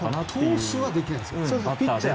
投手はできないですよね。